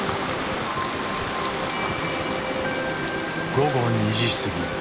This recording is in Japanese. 午後２時過ぎ。